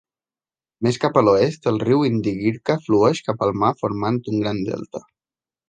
Més cap a l'oest el riu Indigirka flueix cap al mar formant un gran delta.